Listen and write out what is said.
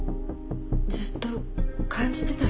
ずっと感じてたの。